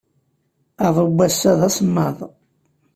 Aḍu n wass-a d asemmaḍ.